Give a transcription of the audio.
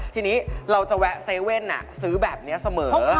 ทีนี้เราจะแวะเว่นซื้อแบบนี้เสมอ